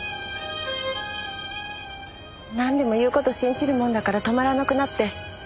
なんでも言う事信じるもんだから止まらなくなって。